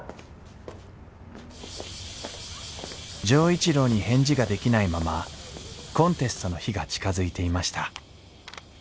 錠一郎に返事ができないままコンテストの日が近づいていました